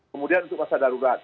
kemudian untuk masa darurat